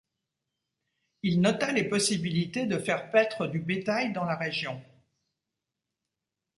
Il nota les possibilités de faire paître du bétail dans la région.